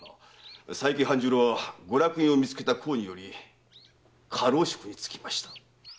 佐伯半十郎はご落胤を見つけた功により家老職に就きました。